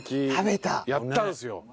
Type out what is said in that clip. やったんですよ。